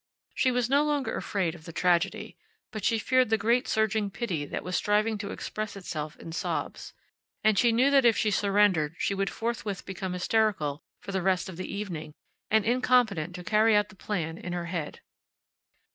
She was no longer afraid of the tragedy, but she feared the great surging pity that was striving to express itself in sobs; and she knew that if she surrendered she would forthwith become hysterical for the rest of the evening and incompetent to carry out the plan in her head.